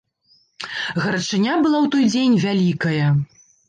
Гарачыня была ў той дзень вялікая.